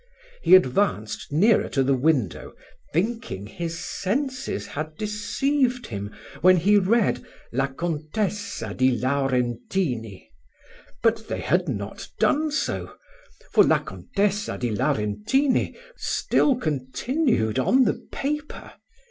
He advanced nearer to the window, thinking his senses had deceived him when he read, "La Contessa di Laurentini;" but they had not done so, for La Contessa di Laurentini still continued on the paper.